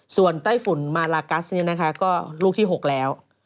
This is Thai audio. ส่วนไต้ฝุ่นมาลากัสเนี่ยนะคะก็ลูกที่๖แล้ว